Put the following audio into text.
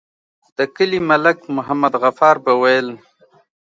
د کلي ملک محمد غفار به ويل.